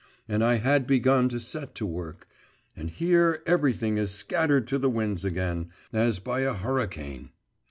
And I had begun to set to work.… And here everything is scattered to the winds again, as by a hurricane!